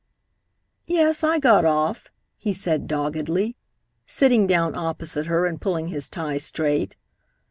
"Yes, I got off," he said doggedly, sitting down opposite her and pulling his tie straight.